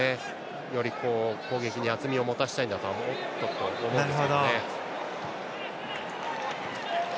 より攻撃に厚みを持たせたいんだと思います。